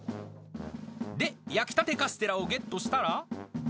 で、焼きたてカステラをゲットしたら。